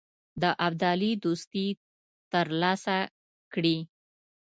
د ابدالي دوستي تر لاسه کړي.